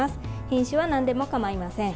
品種はなんでもかまいません。